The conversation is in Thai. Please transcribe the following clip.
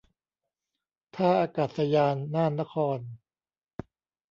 ท่าอากาศยานน่านนคร